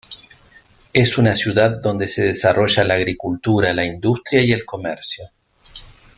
Es una ciudad donde se desarrolla la agricultura, la industria y el comercio.